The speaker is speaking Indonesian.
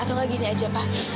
atau nggak gini aja pak